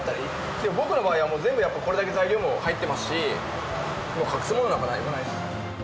でも僕の場合は全部これだけ材料も入ってますし隠すものなんか何もないです。